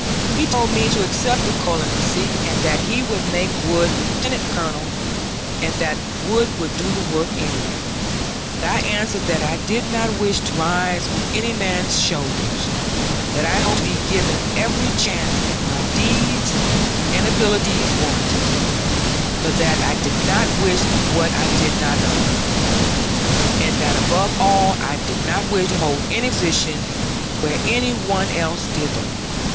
He told me to accept the colonelcy, and that he would make Wood lieutenant colonel, and that Wood would do the work anyway; but I answered that I did not wish to rise on any man's shoulders; that I hoped to be given every chance that my deeds and abilities warranted; but that I did not wish what I did not earn, and that above all I did not wish to hold any position where any one else did the work.